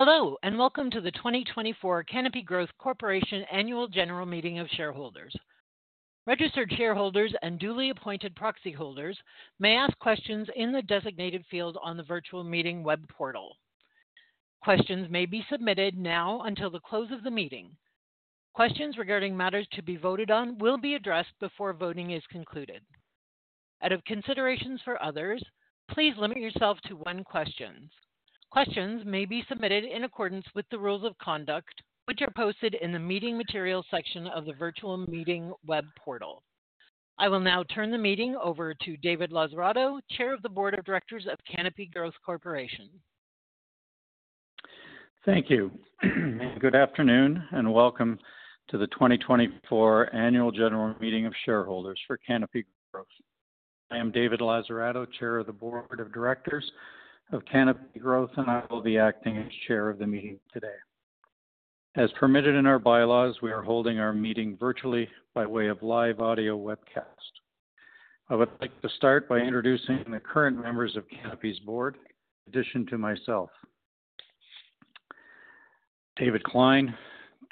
Hello, and welcome to the 2024 Canopy Growth Corporation Annual General Meeting of Shareholders. Registered shareholders and duly appointed proxy holders may ask questions in the designated field on the virtual meeting web portal. Questions may be submitted now until the close of the meeting. Questions regarding matters to be voted on will be addressed before voting is concluded. Out of considerations for others, please limit yourself to one questions. Questions may be submitted in accordance with the rules of conduct, which are posted in the Meeting Materials section of the virtual meeting web portal. I will now turn the meeting over to David Lazzarato, Chair of the Board of Directors of Canopy Growth Corporation. Thank you. Good afternoon, and welcome to the 2024 Annual General Meeting of Shareholders for Canopy Growth. I am David Lazzarato, Chair of the Board of Directors of Canopy Growth, and I will be acting as Chair of the meeting today. As permitted in our bylaws, we are holding our meeting virtually by way of live audio webcast. I would like to start by introducing the current members of Canopy's board. In addition to myself, David Klein,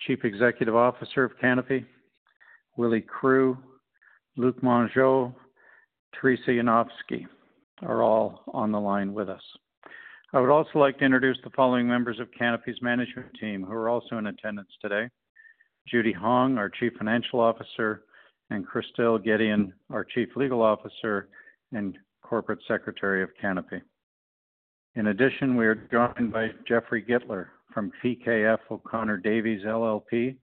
Chief Executive Officer of Canopy, Willy Kruh, Luc Mongeau, Theresa Yanofsky, are all on the line with us. I would also like to introduce the following members of Canopy's management team, who are also in attendance today: Judy Hong, our Chief Financial Officer, and Christelle Gedeon, our Chief Legal Officer and Corporate Secretary of Canopy. In addition, we are joined by Jeffrey Gitler from PKF O'Connor Davies, LLP,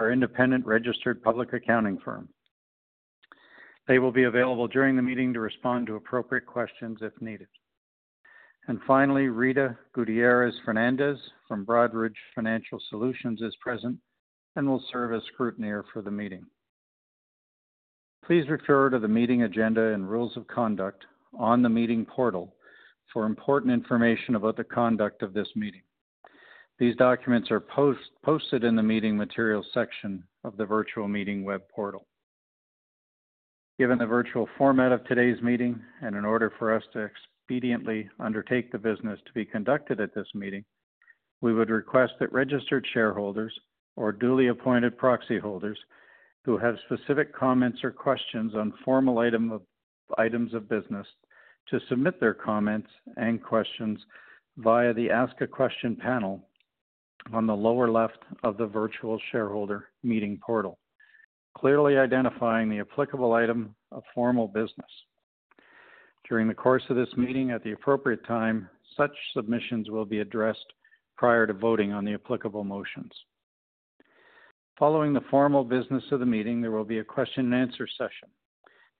our independent registered public accounting firm. They will be available during the meeting to respond to appropriate questions if needed. And finally, Rita Gutierrez-Fernandes from Broadridge Financial Solutions is present and will serve as scrutineer for the meeting. Please refer to the meeting agenda and rules of conduct on the meeting portal for important information about the conduct of this meeting. These documents are posted in the Meeting Materials section of the virtual meeting web portal. Given the virtual format of today's meeting, and in order for us to expediently undertake the business to be conducted at this meeting, we would request that registered shareholders or duly appointed proxy holders who have specific comments or questions on formal items of business to submit their comments and questions via the Ask a Question panel on the lower left of the virtual shareholder meeting portal, clearly identifying the applicable item of formal business. During the course of this meeting, at the appropriate time, such submissions will be addressed prior to voting on the applicable motions. Following the formal business of the meeting, there will be a question and answer session.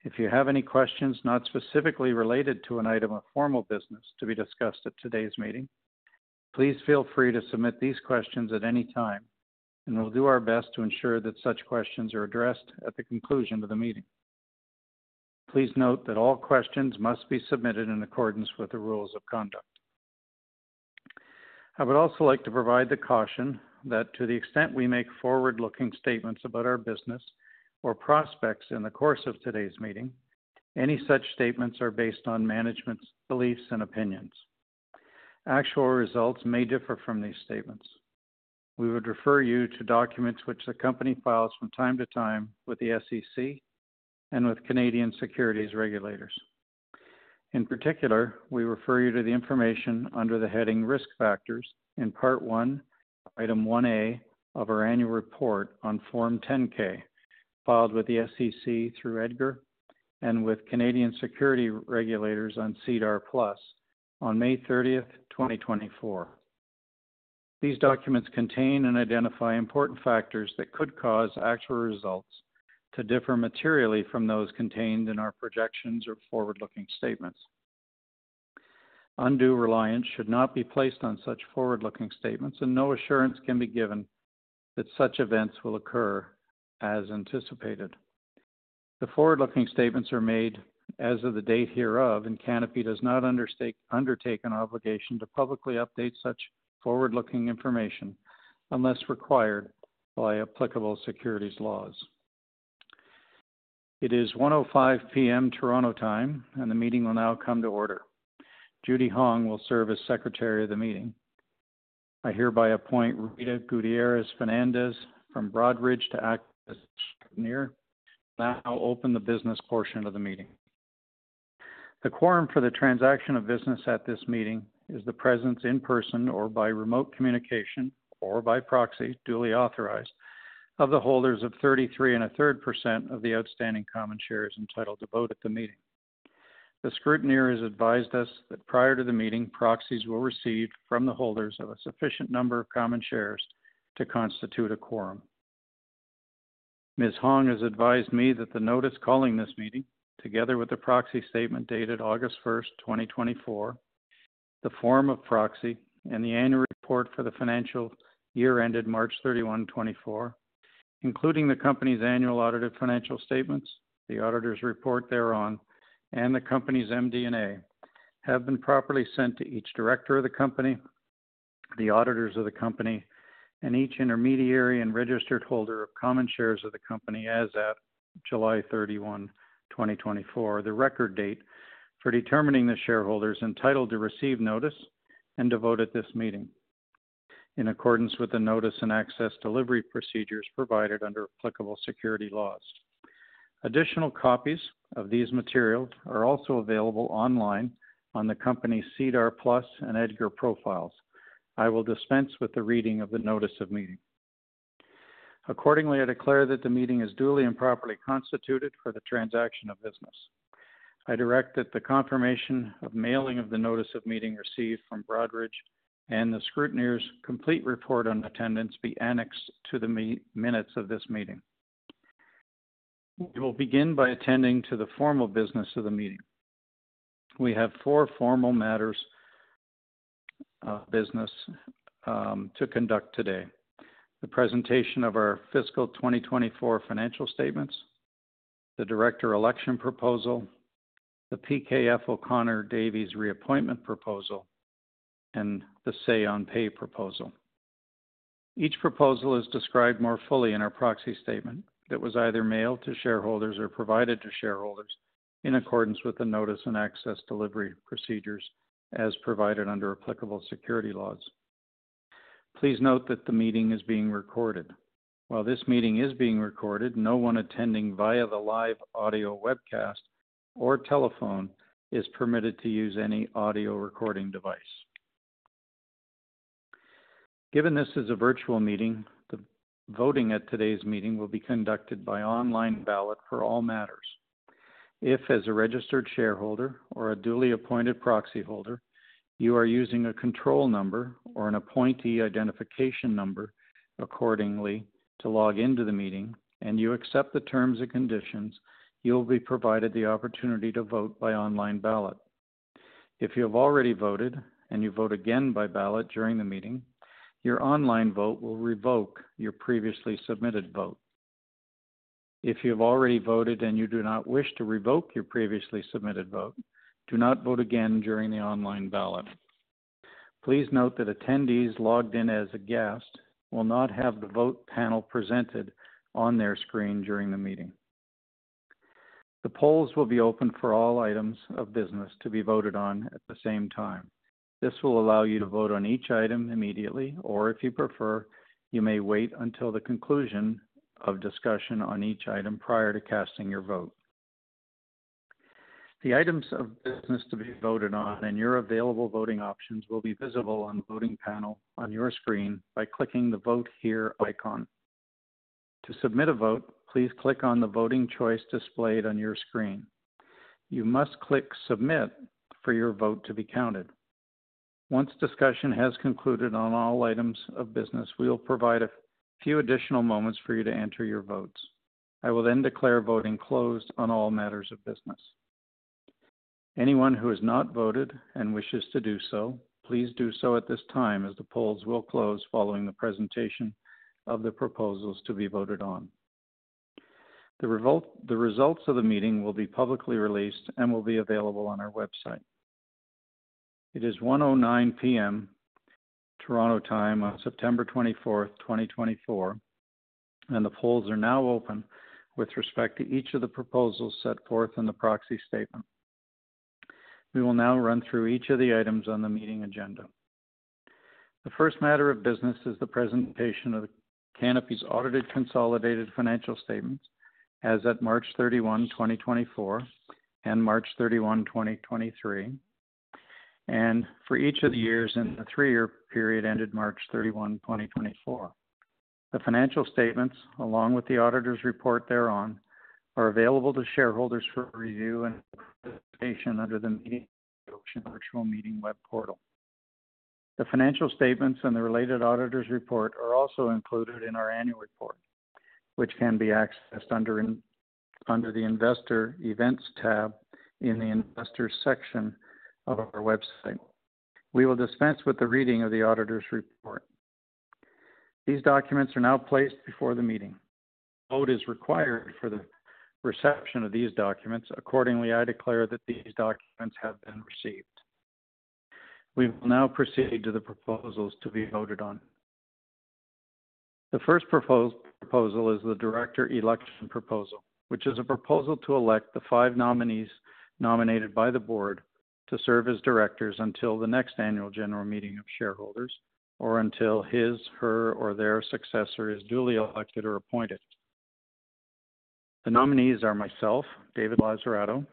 If you have any questions not specifically related to an item of formal business to be discussed at today's meeting, please feel free to submit these questions at any time, and we'll do our best to ensure that such questions are addressed at the conclusion of the meeting. Please note that all questions must be submitted in accordance with the rules of conduct. I would also like to provide the caution that to the extent we make forward-looking statements about our business or prospects in the course of today's meeting, any such statements are based on management's beliefs and opinions. Actual results may differ from these statements. We would refer you to documents which the company files from time to time with the SEC and with Canadian securities regulators. In particular, we refer you to the information under the heading Risk Factors in Part I, Item 1A of our annual report on Form 10-K, filed with the SEC through EDGAR and with Canadian Securities Regulators on SEDAR+ on May 30th, 2024. These documents contain and identify important factors that could cause actual results to differ materially from those contained in our projections or forward-looking statements. Undue reliance should not be placed on such forward-looking statements, and no assurance can be given that such events will occur as anticipated. The forward-looking statements are made as of the date hereof, and Canopy does not undertake an obligation to publicly update such forward-looking information unless required by applicable securities laws. It is 1:05 P.M. Toronto time, and the meeting will now come to order. Judy Hong will serve as Secretary of the meeting. I hereby appoint Rita Gutierrez-Fernandes from Broadridge to act as scrutineer. Now, I'll open the business portion of the meeting. The quorum for the transaction of business at this meeting is the presence in person or by remote communication or by proxy, duly authorized, of the holders of 33 1/3% of the outstanding common shares entitled to vote at the meeting. The scrutineer has advised us that prior to the meeting, proxies were received from the holders of a sufficient number of common shares to constitute a quorum. Ms. Hong has advised me that the notice calling this meeting, together with the proxy statement dated August 1st, 2024, the form of proxy, and the annual report for the financial year ended March 31, 2024, including the company's annual audited financial statements, the auditors' report thereon, and the company's MD&A, have been properly sent to each director of the company, the auditors of the company, and each intermediary and registered holder of common shares of the company as at July 31, 2024, the record date for determining the shareholders entitled to receive notice and to vote at this meeting in accordance with the notice and access delivery procedures provided under applicable securities laws. Additional copies of these materials are also available online on the company's SEDAR+ and EDGAR profiles. I will dispense with the reading of the notice of meeting. Accordingly, I declare that the meeting is duly and properly constituted for the transaction of business. I direct that the confirmation of mailing of the notice of meeting received from Broadridge and the scrutineer's complete report on attendance be annexed to the minutes of this meeting. We will begin by attending to the formal business of the meeting. We have four formal matters of business, to conduct today: the presentation of our Fiscal 2024 financial statements, the director election proposal, the PKF O'Connor Davies reappointment proposal, and the Say- on- Pay proposal. Each proposal is described more fully in our proxy statement that was either mailed to shareholders or provided to shareholders in accordance with the notice and access delivery procedures as provided under applicable securities laws. Please note that the meeting is being recorded. While this meeting is being recorded, no one attending via the live audio, webcast, or telephone is permitted to use any audio recording device. Given this is a virtual meeting, the voting at today's meeting will be conducted by online ballot for all matters. If, as a registered shareholder or a duly appointed proxy holder, you are using a control number or an appointee identification number accordingly to log into the meeting and you accept the terms and conditions, you'll be provided the opportunity to vote by online ballot. If you have already voted and you vote again by ballot during the meeting, your online vote will revoke your previously submitted vote. If you have already voted and you do not wish to revoke your previously submitted vote, do not vote again during the online ballot. Please note that attendees logged in as a guest will not have the vote panel presented on their screen during the meeting. The polls will be open for all items of business to be voted on at the same time. This will allow you to vote on each item immediately, or if you prefer, you may wait until the conclusion of discussion on each item prior to casting your vote. The items of business to be voted on and your available voting options will be visible on the voting panel on your screen by clicking the Vote Here icon. To submit a vote, please click on the voting choice displayed on your screen. You must click Submit for your vote to be counted. Once discussion has concluded on all items of business, we will provide a few additional moments for you to enter your votes. I will then declare voting closed on all matters of business. Anyone who has not voted and wishes to do so, please do so at this time, as the polls will close following the presentation of the proposals to be voted on. The results of the meeting will be publicly released and will be available on our website. It is 1:09 P.M. Toronto time, on September 24th, 2024, and the polls are now open with respect to each of the proposals set forth in the proxy statement. We will now run through each of the items on the meeting agenda. The first matter of business is the presentation of Canopy's audited consolidated financial statements as at March 31, 2024 and March 31, 2023, and for each of the years in the three-year period ended March 31, 2024. The financial statements, along with the auditor's report thereon, are available to shareholders for review and presentation under the virtual meeting web portal. The financial statements and the related auditor's report are also included in our annual report, which can be accessed under the Investor Events tab in the Investors section of our website. We will dispense with the reading of the auditor's report. These documents are now placed before the meeting. Vote is required for the reception of these documents. Accordingly, I declare that these documents have been received. We will now proceed to the proposals to be voted on. The first proposal is the director election proposal, which is a proposal to elect the five nominees nominated by the board to serve as directors until the next annual general meeting of shareholders, or until his, her, or their successor is duly elected or appointed. The nominees are myself, David Lazzarato,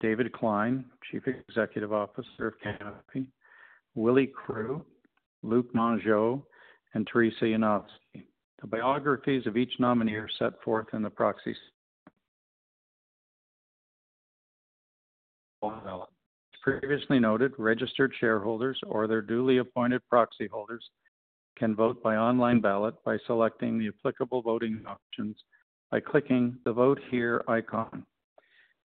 David Klein, Chief Executive Officer of Canopy, Willy Kruh, Luc Mongeau, and Theresa Yanofsky. The biographies of each nominee are set forth in the proxy. Previously noted, registered shareholders or their duly appointed proxy holders can vote by online ballot by selecting the applicable voting options by clicking the Vote Here icon.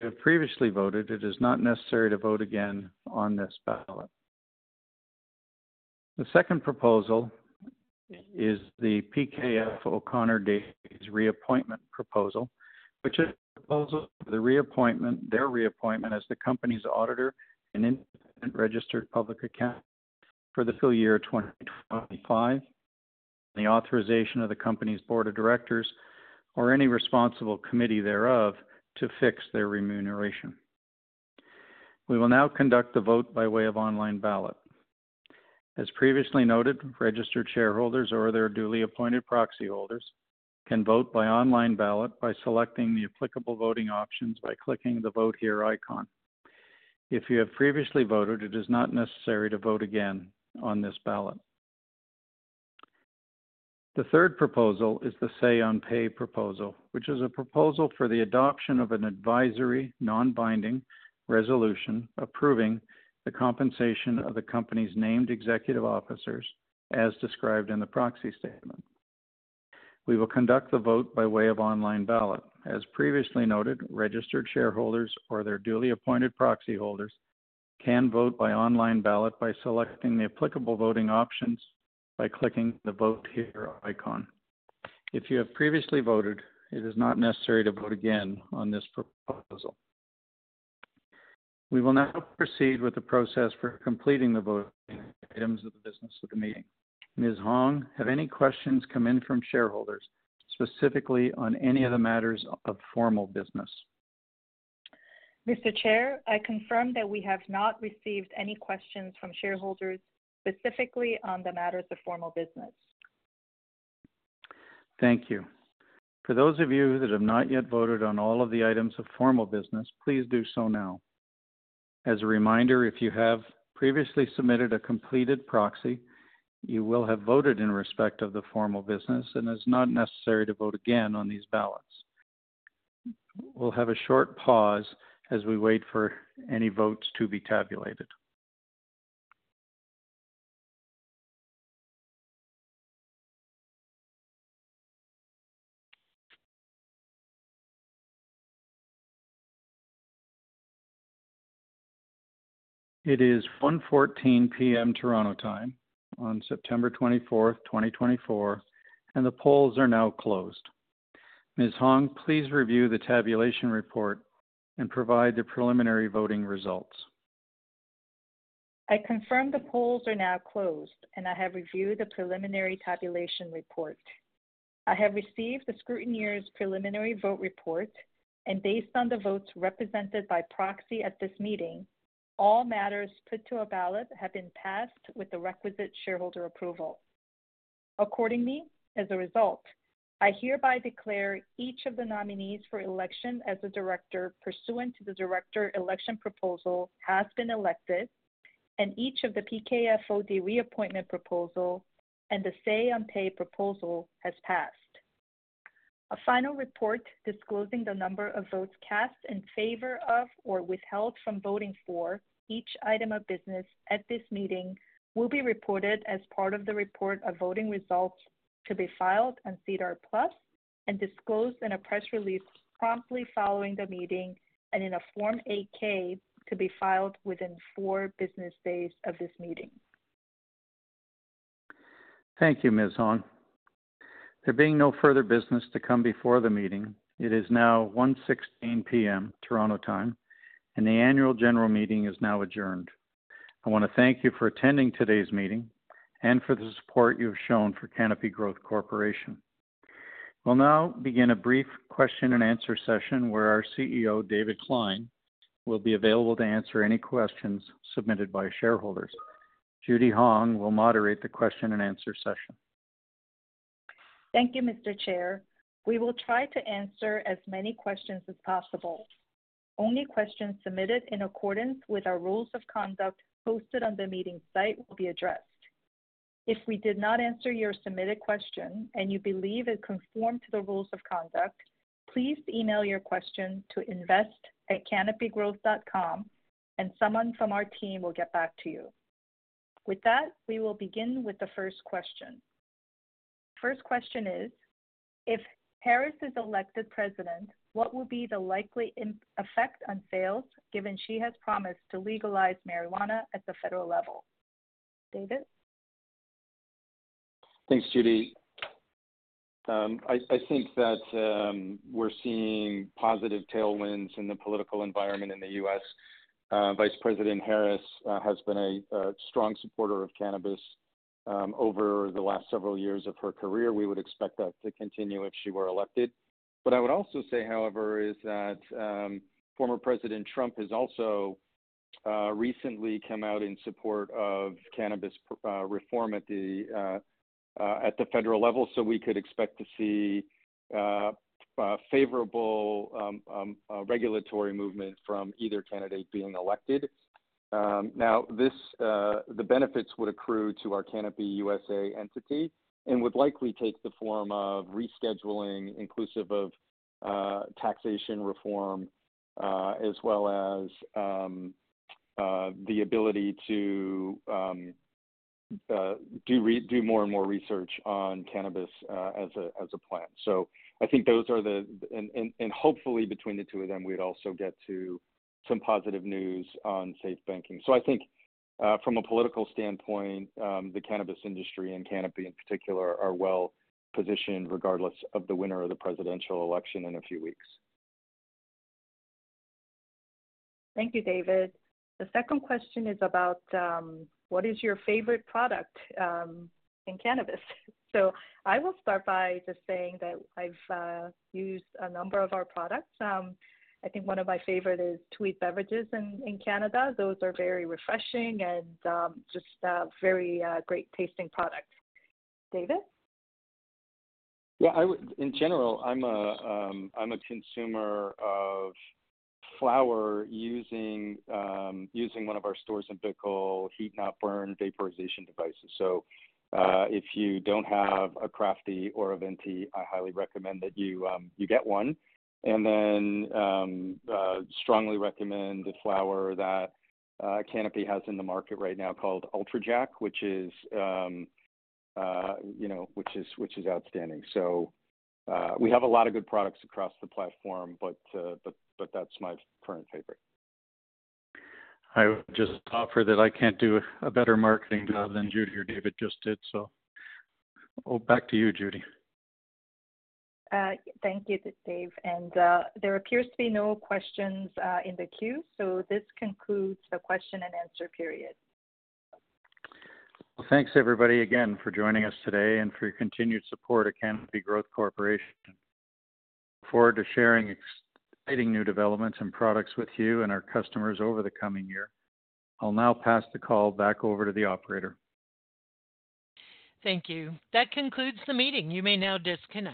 If you have previously voted, it is not necessary to vote again on this ballot. The second proposal is the PKF O'Connor Davies reappointment proposal, which is a proposal for the reappointment, their reappointment as the company's auditor and independent registered public accountants for the full year of 2025, the authorization of the company's board of directors or any responsible committee thereof to fix their remuneration. We will now conduct the vote by way of online ballot. As previously noted, registered shareholders or their duly appointed proxy holders can vote by online ballot by selecting the applicable voting options by clicking the Vote Here icon. If you have previously voted, it is not necessary to vote again on this ballot. The third proposal is the Say-on-Pay proposal, which is a proposal for the adoption of an advisory, non-binding resolution, approving the compensation of the company's named executive officers, as described in the proxy statement. We will conduct the vote by way of online ballot. As previously noted, registered shareholders or their duly appointed proxy holders can vote by online ballot by selecting the applicable voting options by clicking the Vote Here icon. If you have previously voted, it is not necessary to vote again on this proposal. We will now proceed with the process for completing the voting items of the business of the meeting. Ms. Hong, have any questions come in from shareholders, specifically on any of the matters of formal business? Mr. Chair, I confirm that we have not received any questions from shareholders, specifically on the matters of formal business. Thank you. For those of you that have not yet voted on all of the items of formal business, please do so now. As a reminder, if you have previously submitted a completed proxy, you will have voted in respect of the formal business and it's not necessary to vote again on these ballots. We'll have a short pause as we wait for any votes to be tabulated. It is 1:14 P.M. Toronto Time on September 24th, 2024, and the polls are now closed. Ms. Hong, please review the tabulation report and provide the preliminary voting results. I confirm the polls are now closed, and I have reviewed the preliminary tabulation report. I have received the scrutineer's preliminary vote report, and based on the votes represented by proxy at this meeting, all matters put to a ballot have been passed with the requisite shareholder approval. Accordingly, as a result, I hereby declare each of the nominees for election as a director, pursuant to the director election proposal, has been elected, and each of the PKF O'Connor Davies reappointment proposal and the Say-on-Pay proposal has passed. A final report disclosing the number of votes cast in favor of, or withheld from voting for each item of business at this meeting, will be reported as part of the report of voting results to be filed on SEDAR+ and disclosed in a press release promptly following the meeting and in a Form 8-K to be filed within four business days of this meeting. Thank you, Ms. Hong. There being no further business to come before the meeting, it is now 1:16 P.M. Toronto time, and the Annual General Meeting is now adjourned. I want to thank you for attending today's meeting and for the support you've shown for Canopy Growth Corporation. We'll now begin a brief question and answer session where our CEO, David Klein, will be available to answer any questions submitted by shareholders. Judy Hong will moderate the question and answer session. Thank you, Mr. Chair. We will try to answer as many questions as possible. Only questions submitted in accordance with our rules of conduct posted on the meeting site will be addressed. If we did not answer your submitted question and you believe it conformed to the rules of conduct, please email your question to invest@canopygrowth.com, and someone from our team will get back to you. With that, we will begin with the first question. First question is: If Harris is elected president, what will be the likely immediate effect on sales, given she has promised to legalize marijuana at the federal level? David? Thanks, Judy. I think that we're seeing positive tailwinds in the political environment in the U.S. Vice President Harris has been a strong supporter of cannabis over the last several years of her career. We would expect that to continue if she were elected. What I would also say, however, is that former President Trump has also recently come out in support of cannabis reform at the federal level, so we could expect to see a favorable regulatory movement from either candidate being elected. Now, this, the benefits would accrue to our Canopy USA entity and would likely take the form of rescheduling, inclusive of taxation reform, as well as the ability to do more and more research on cannabis, as a plan. So I think those are the... and hopefully, between the two of them, we'd also get to some positive news on safe banking. So I think, from a political standpoint, the cannabis industry and Canopy in particular are well-positioned regardless of the winner of the presidential election in a few weeks. Thank you, David. The second question is about what is your favorite product in cannabis? So I will start by just saying that I've used a number of our products. I think one of my favorite is Tweed beverages in Canada. Those are very refreshing and just very great-tasting products. David? Yeah, I would. In general, I'm a consumer of flower using one of our Storz & Bickel heat-not-burn vaporization devices. So, if you don't have a Crafty or a Venty, I highly recommend that you get one. And then, strongly recommend the flower that Canopy has in the market right now called Ultra Jack, which is, you know, which is outstanding. So, we have a lot of good products across the platform, but that's my current favorite. I would just offer that I can't do a better marketing job than Judy or David just did, so well, back to you, Judy. Thank you, David, and there appears to be no questions in the queue, so this concludes the question and answer period. Thanks, everybody, again, for joining us today and for your continued support at Canopy Growth Corporation. Look forward to sharing exciting new developments and products with you and our customers over the coming year. I'll now pass the call back over to the operator. Thank you. That concludes the meeting. You may now disconnect.